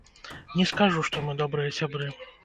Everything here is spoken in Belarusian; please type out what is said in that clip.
Не скажу, што мы добрыя сябры.